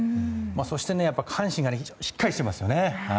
そして、下半身が非常にしっかりしていますよね。